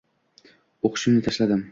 O`qishni tashladim